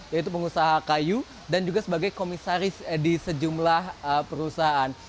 yaitu pengusaha kayu dan juga sebagai komisaris di sejumlah perusahaan